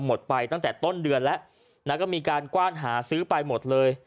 หมดไปตั้งแต่ต้นเดือนแล้วก็มีการกว้านหาซื้อไปหมดเลย